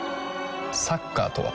サッカーとは？